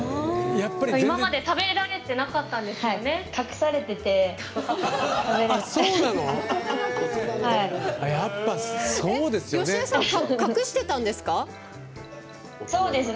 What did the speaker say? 今まで食べられてなかったんですよね。